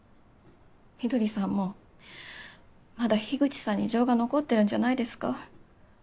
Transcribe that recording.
翠さんもまだ樋口さんに情が残ってるんじゃないですか？